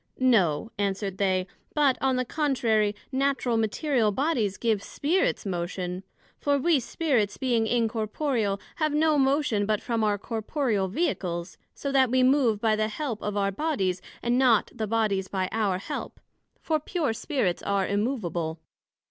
No, answered they; but, on the contrary, Natural material bodies give Spirits motion; for we Spirits, being incorporeal, have no motion but from our Corporeal Vehicles, so that we move by the help of our Bodies, and not the Bodies by our help; for pure Spirits are immovable.